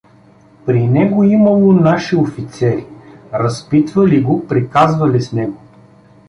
При него имало наши офицери, разпитвали го, приказвали с него.